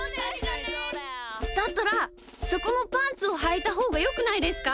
だったらそこもパンツをはいたほうがよくないですか？